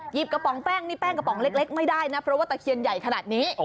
กระป๋องแป้งนี่แป้งกระป๋องเล็กไม่ได้นะเพราะว่าตะเคียนใหญ่ขนาดนี้